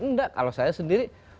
nggak kalau saya sendiri